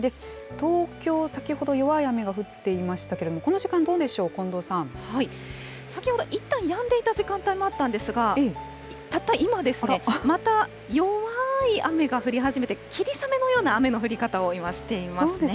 東京、先ほど弱い雨が降っていましたけれども、この時間、どうで先ほどいったんやんでいた時間帯もあったんですが、たった今ですね、また弱ーい雨が降り始めて、霧雨のような雨の降り方を今していますね。